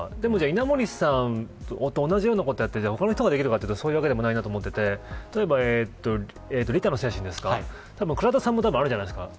稲盛さんと同じようなことをやって他の人ができるというとそうではないと思っていて利他の精神ですか倉田さんもあるじゃないですか。